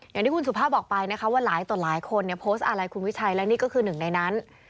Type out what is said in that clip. อย่างที่คุณสุภาพบอกไปนะคะว่าหลายต่อหลายคนเนี่ยโพสต์อะไรคุณวิชัยและนี่ก็คือหนึ่งในนั้น